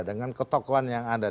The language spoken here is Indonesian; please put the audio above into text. dengan ketokohan yang ada